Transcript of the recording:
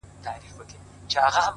ته ټيک هغه یې خو اروا دي آتشي چیري ده-